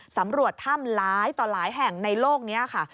สำรวจถ้ำหลายต่อหลายแห่งในโลกนี้ค่ะ